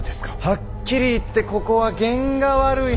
はっきり言ってここは験が悪い。